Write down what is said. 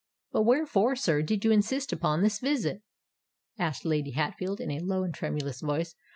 "But wherefore, sire, did you insist upon this visit?" asked Lady Hatfield, in a low and tremulous tone.